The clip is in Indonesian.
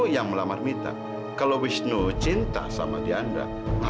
kamu kalau berumah tangga